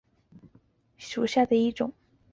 易贡紫柄蕨为金星蕨科紫柄蕨属下的一个种。